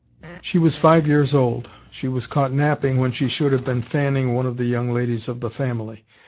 She was five years old. She was caught napping when she should have been fanning one of the young ladies of the family.